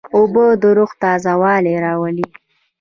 اوبه د روح تازهوالی راولي.